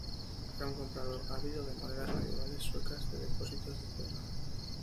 Era un comprador ávido de monedas medievales suecas de depósitos de tierra.